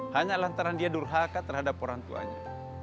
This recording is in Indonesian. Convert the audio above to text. hanya lantaran dia durhaka terhadap orang tuanya